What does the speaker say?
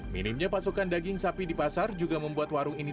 minimnya pasokan daging sapi di pasar juga membuat warung ini